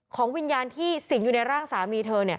วิญญาณที่สิงอยู่ในร่างสามีเธอ